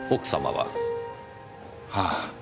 はあ。